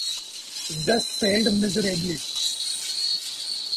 Just failed miserably.